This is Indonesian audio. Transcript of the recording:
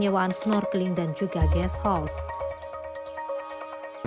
penyewaan snorkeling dan juga guest house